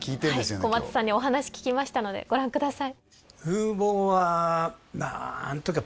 今日小松さんにお話聞きましたのでご覧ください